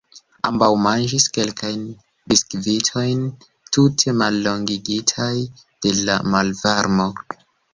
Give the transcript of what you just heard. Ambaŭ manĝis kelkajn biskvitojn tute malmoligitajn de la malvarmo.